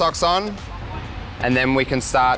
หุ่นเสียบเรียเวิร์ด